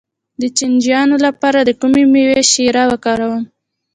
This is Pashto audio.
د چینجیانو لپاره د کومې میوې شیره وکاروم؟